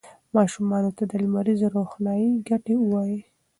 ماشومانو ته د لمریزې روښنايي ګټې ووایئ.